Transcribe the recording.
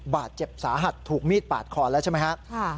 บาดเจ็บสาหัสถูกมีดปาดคอแล้วใช่ไหมครับ